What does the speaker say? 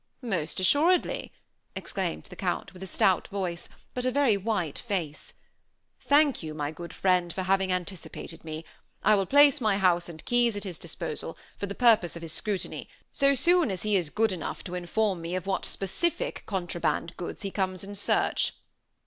"Most assuredly," exclaimed the Count, with a stout voice, but a very white face. "Thank you, my good friend, for having anticipated me. I will place my house and keys at his disposal, for the purpose of his scrutiny, so soon as he is good enough to inform me of what specific contraband goods he comes in search."